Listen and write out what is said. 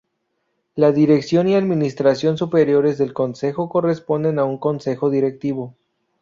La dirección y administración superiores del Consejo corresponden a un Consejo Directivo.